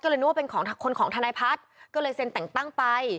ก็เลยนึกว่าเป็นของคนของทนายพัฒน์ก็เลยเซ็นแต่งตั้งไป